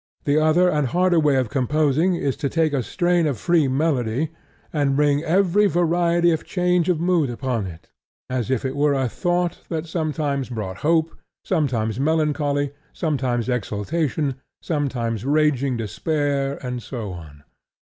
The other and harder way of composing is to take a strain of free melody, and ring every variety of change of mood upon it as if it were a thought that sometimes brought hope, sometimes melancholy, sometimes exultation, sometimes raging despair and so on.